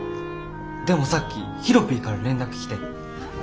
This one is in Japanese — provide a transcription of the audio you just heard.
でもさっきヒロピーから連絡来て。